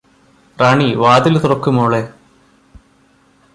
റാണി വാതിൽ തുറക്ക് മോളെ